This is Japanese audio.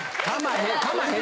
かまへん。